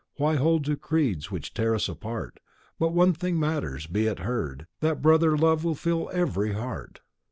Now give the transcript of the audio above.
Why hold to creeds which tear apart? But one thing matters, be it heard, That brother love fill every heart.